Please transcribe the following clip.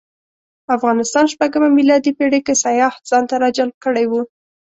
افغانستان شپږمه میلادي پېړۍ کې سیاح ځانته راجلب کړی و.